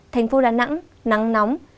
thành phố đà nẵng nắng nóng